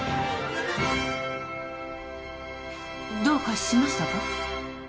どうかしましたか？